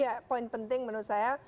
ya poin penting menurut saya